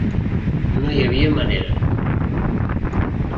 No hi havia manera.